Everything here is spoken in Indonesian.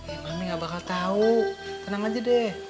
eh mami gak bakal tau tenang aja deh